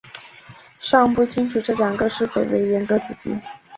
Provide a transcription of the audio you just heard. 尚不清楚这两个是否为严格子集。